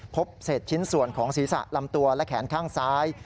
พบเศษชิ้นส่วนของศีรษะลำตัวและแขนข้างซ้าย